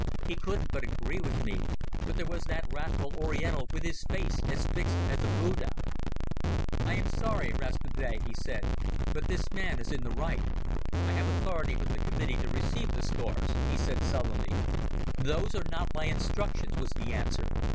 He couldn't but agree with me, but there was that wrathful Oriental with his face as fixed as a Buddha. "I am sorry, Rasta Bey," he said; "but this man is in the right." "I have authority from the Committee to receive the stores," he said sullenly. "Those are not my instructions," was the answer.